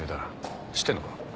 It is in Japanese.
知ってるのか？